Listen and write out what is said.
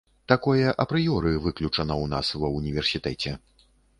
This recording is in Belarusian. Такое апрыёры выключана ў нас ва ўніверсітэце.